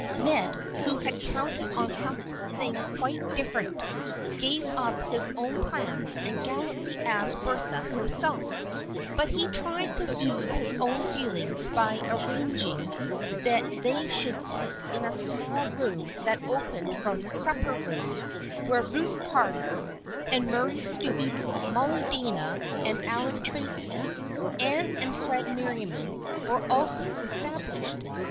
Ned, who had counted on something quite differ ent, gave up his own plans and gallantly asked Bertha himself, but he tried to soothe his own feel ings by arranging that they should sit in a small room that opened from the supper room, where Ruth Carter and Murray Stuart, Mollie Dana and Alec Tracy, Anne and Fred Merriam were also es tablished.